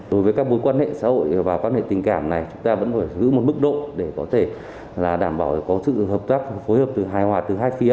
đối với các mối quan hệ xã hội và quan hệ tình cảm này chúng ta vẫn phải giữ một mức độ để có thể là đảm bảo có sự hợp tác phối hợp từ hài hòa từ hai phía